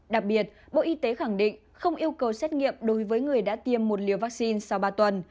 đặc biệt bộ y tế khẳng định không yêu cầu xét nghiệm đối với người đã tiêm một liều vaccine sau ba tuần